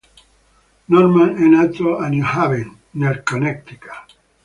Norman è nato a New Haven, nel Connecticut.